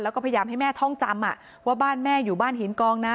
แล้วก็พยายามให้แม่ท่องจำว่าบ้านแม่อยู่บ้านหินกองนะ